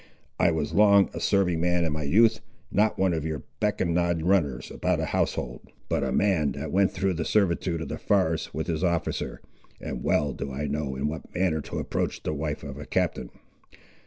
I was long a serving man in my youth, not one of your beck and nod runners about a household, but a man that went through the servitude of the forest with his officer, and well do I know in what manner to approach the wife of a captain.